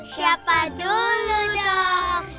siapa dulu dong